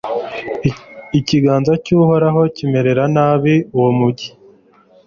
ikiganza cy'uhoraho kimerera nabi uwo mugi